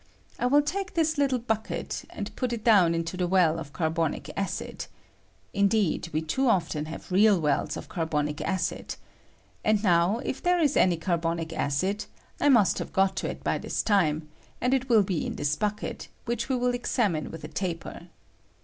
I will take this little bucket, and put it down into the well of car bonic acid — indeed, we too often have real wells of carbonic acid — and now, if there is any w DENSITY OF CARBONIC ACID. carbonic acid, I must have got to it by tbis time, and it will be ia this bucket, which we u f per 1 will examine with a taper.